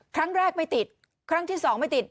ครั้งแรกไม่ติดครั้งที่สองไม่ติด